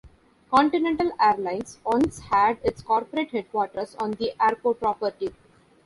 Continental Airlines once had its corporate headquarters on the airport property.